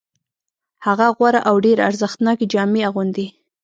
هغه غوره او ډېرې ارزښتناکې جامې اغوندي